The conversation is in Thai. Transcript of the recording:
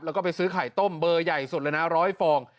แล้วก็ไปซื้อไข่ต้มเบอร์ใหญ่สุดเลยนะ๑๐๐ฟอง